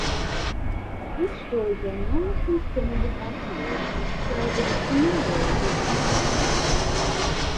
Destroids are non-transformable Battloids that serve a similar role as a walking tank.